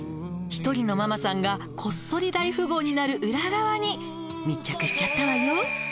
「一人のママさんがこっそり大富豪になる裏側に密着しちゃったわよ」